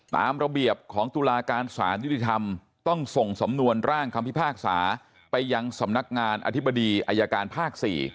ตามระเบียบของตุลาการสารยุติธรรมต้องส่งสำนวนร่างคำพิพากษาไปยังสำนักงานอธิบดีอายการภาค๔